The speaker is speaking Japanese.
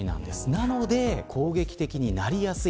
なので攻撃的になりやすい。